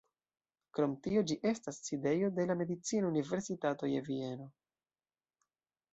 Krom tio ĝi estas sidejo de la medicina universitato je Vieno.